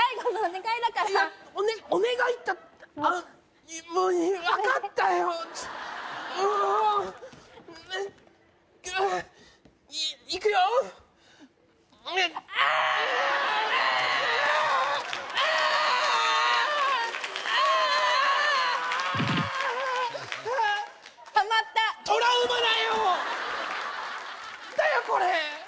何だよこれ！